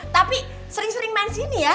tapi sering sering main sini ya